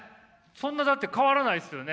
そんなだって変わらないですよね。